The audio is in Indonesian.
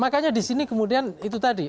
makanya di sini kemudian itu tadi